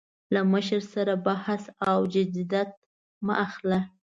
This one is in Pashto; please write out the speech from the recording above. له مشر سره بحث او جدیت مه اخله.